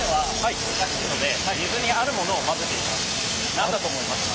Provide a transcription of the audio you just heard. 何だと思いますか？